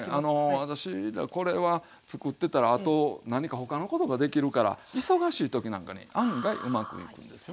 私これはつくってたらあと何か他のことができるから忙しい時なんかに案外うまくいくんですよ。